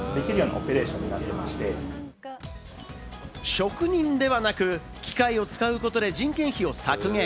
職人ではなく機械を使うことで人件費を削減。